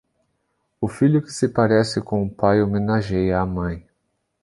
O filho que se parece com o pai homenageia a mãe.